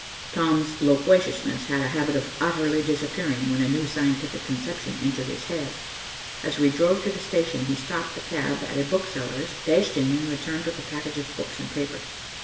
Tom's loquaciousness had a habit of utterly disappearing, when a new scientific conception entered his head. As we drove to the station, he stopped the cab at a bookseller's, dashed in, and returned with a package of books and papers.